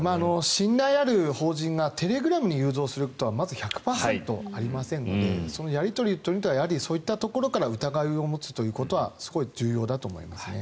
信頼ある法人がテレグラムに誘導することはまず１００％ありませんのでそのやり取りそういったところから疑いを持つということはすごい重要だと思いますね。